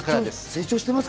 成長してますか？